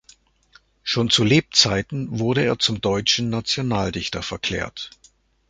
Schon zu Lebzeiten wurde er zum deutschen Nationaldichter verklärt.